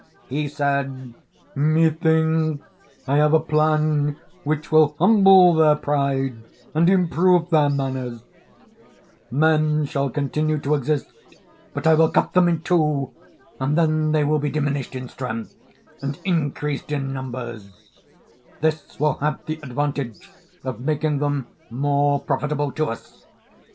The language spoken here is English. He said: 'Methinks I have a plan which will humble their pride and improve their manners; men shall continue to exist, but I will cut them in two and then they will be diminished in strength and increased in numbers; this will have the advantage of making them more profitable to us.